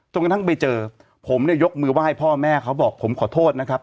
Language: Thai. กระทั่งไปเจอผมเนี่ยยกมือไหว้พ่อแม่เขาบอกผมขอโทษนะครับ